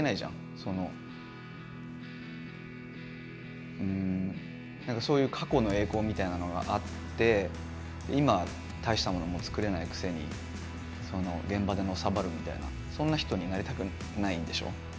そのうんなんかそういう過去の栄光みたいなのがあって今大したものも作れないくせにその現場でのさばるみたいなそんな人になりたくないでしょ。